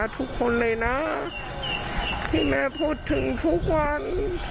ทุกคนเลย